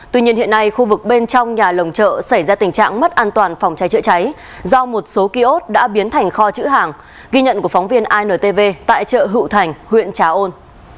tuy nhiên hiện nay khu vực bên trong nhà lồng chợ xảy ra tình trạng mất an toàn phòng cháy chữa cháy do một số kiosk đã biến thành kho chữ hàng ghi nhận của phóng viên intv tại chợ hữu thành huyện trà ôn